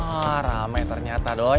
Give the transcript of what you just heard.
wah ramai ternyata doy